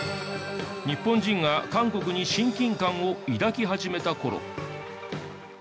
日本人が韓国に親近感を抱き始めた頃。